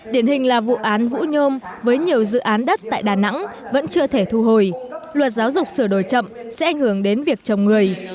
điển hình là vụ án vũ nhôm với nhiều dự án đất tại đà nẵng vẫn chưa thể thu hồi luật giáo dục sửa đổi chậm sẽ ảnh hưởng đến việc chồng người